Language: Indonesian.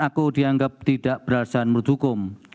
aku dianggap tidak berlaksana melalui hukum